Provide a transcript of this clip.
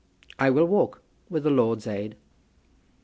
"I will walk, with the Lord's aid."